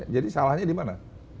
jadi salahnya dimana